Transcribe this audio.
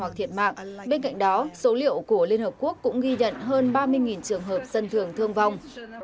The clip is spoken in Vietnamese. bên cạnh đó số liệu của liên hợp quốc cũng ghi nhận hơn ba mươi trường hợp dân thường thương vong